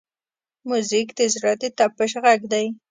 موزیک د زړه د طپش غږ دی.